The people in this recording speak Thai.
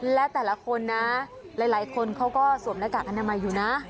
และแต่ละคนนะหลายคนเขาก็สวมรายการขนาดใหม่อยู่นะ